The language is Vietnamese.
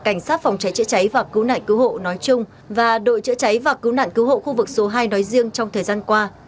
cảnh sát phòng cháy chữa cháy và cứu nạn cứu hộ nói chung và đội chữa cháy và cứu nạn cứu hộ khu vực số hai nói riêng trong thời gian qua